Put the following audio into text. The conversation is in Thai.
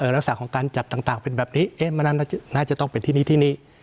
ลักษณะของการจับต่างเป็นแบบนี้มันน่าจะต้องเป็นที่นี้ที่นี่